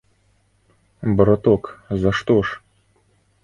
Браток, за што ж?